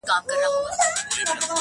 چا زر رنگونه پر جهان وپاشل؟ چيري ولاړئ؟؟